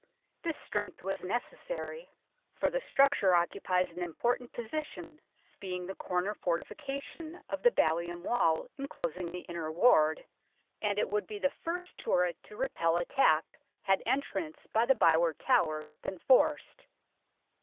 This strength was necessary, for the structure THE BELL TOWER 63 occupies an important position, being the corner fortification of the ballium wall enclos ing the Inner Ward, and it would be the first PLAN OF THE STRONG ROOM turret to repel attack had entrance by the By ward Tower been forced.